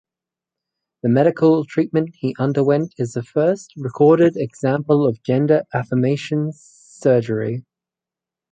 The medical treatment he underwent is the first recorded example of gender affirmation surgery.